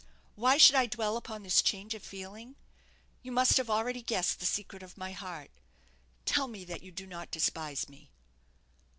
Why should I dwell upon this change of feeling? You must have already guessed the secret of my heart. Tell me that you do not despise me!"